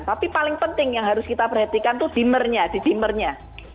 tapi paling penting yang harus kita perhatikan itu dimernya di dimernya